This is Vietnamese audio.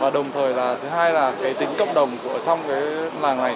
và đồng thời là thứ hai là cái tính cộng đồng của trong cái làng này